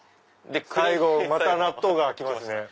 最後また納豆がきますね。